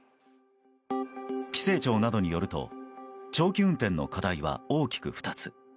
規制庁などによると長期運転の課題は大きく２つ。